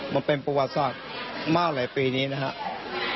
มันเป็นประวัติศาสตร์มาหลายปีนี้นะครับ